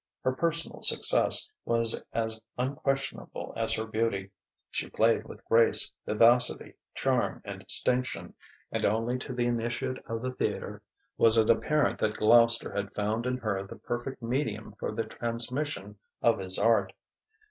Her personal success was as unquestionable as her beauty; she played with grace, vivacity, charm, and distinction; and only to the initiate of the theatre was it apparent that Gloucester had found in her the perfect medium for the transmission of his art.